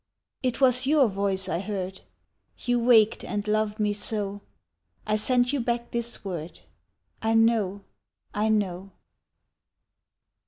It was your voice I heard, You waked and loved me so I send you back this word, I know, I know!